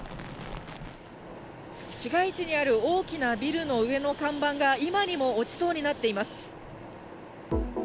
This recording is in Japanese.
市街地にある大きなビルの上の看板が今にも落ちそうになっています。